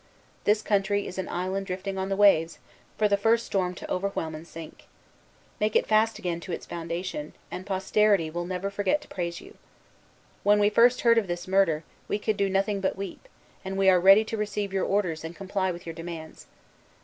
This country is an island drifting on the waves, for the first storm to overwhelm and sink. Make it fast again to its foundation, and posterity will never forget to praise you. When we first heard of this murder, we could do nothing but weep; and we are ready to receive your orders and comply with your demands.